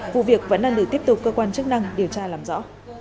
vụ việc vẫn đang được tiếp tục cơ quan chức năng điều tra làm rõ